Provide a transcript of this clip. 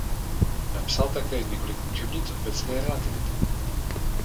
Napsal také několik učebnic obecné relativity.